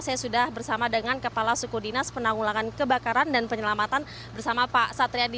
saya sudah bersama dengan kepala suku dinas penanggulangan kebakaran dan penyelamatan bersama pak satriadi